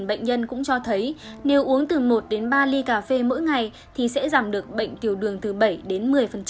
bệnh nhân cũng cho thấy nếu uống từ một đến ba ly cà phê mỗi ngày thì sẽ giảm được bệnh tiểu đường từ bảy đến một mươi